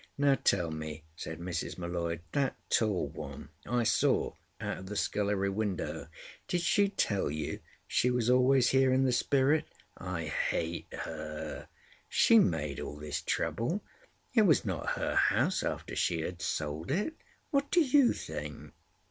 "Now tell me," said Mrs. M'Leod—"that tall one, I saw out of the scullery window—did she tell you she was always here in the spirit? I hate her. She made all this trouble. It was not her house after she had sold it. What do you think?"